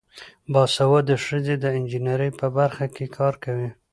باسواده ښځې د انجینرۍ په برخه کې کار کوي.